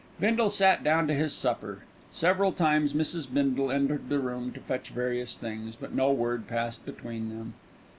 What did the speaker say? Bindle sat down to his supper. Several times Mrs. Bindle entered the room to fetch various things, but no word passed between them.